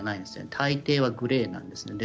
大抵がグレーなんです。